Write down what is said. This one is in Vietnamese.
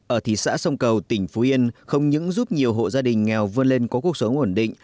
ở thị xã sông cầu tỉnh phú yên không những giúp nhiều hộ gia đình nghèo vươn lên có cuộc sống ổn định